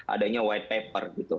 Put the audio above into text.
adanya white paper gitu